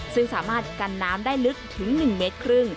ซึ่งสามารถกันน้ำได้ลึกถึง๑เมตรครึ่ง